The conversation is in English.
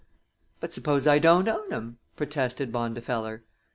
"But suppose I don't own 'em?" protested Bondifeller.